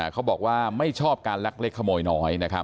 เขาบอกว่าไม่ชอบการลักเล็กขโมยน้อยนะครับ